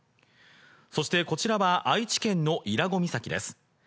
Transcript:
こちらは愛知県の伊良湖岬です。